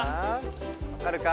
わかるか？